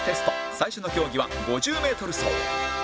最初の競技は５０メートル走